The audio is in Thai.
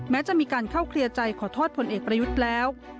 แม้จะมีการเข้าเคลียร์ใจขอโทษพลเอกประยุทธ์แล้ว